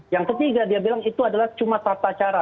yang ketiga dia bilang itu adalah cuma tata cara